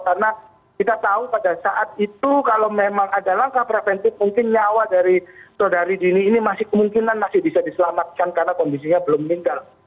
karena kita tahu pada saat itu kalau memang ada langkah preventif mungkin nyawa dari saudari dini ini masih kemungkinan masih bisa diselamatkan karena kondisinya belum meninggal